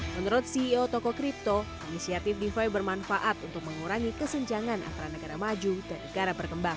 menurut ceo toko kripto inisiatif defi bermanfaat untuk mengurangi kesenjangan antara negara maju dan negara berkembang